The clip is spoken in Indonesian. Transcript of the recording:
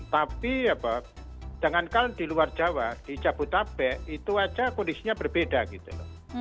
tapi jangankan di luar jawa di jabodetabek itu aja kondisinya berbeda gitu loh